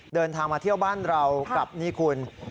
เดินทางมาเที่ยวบ้านเรากับนี่คุณ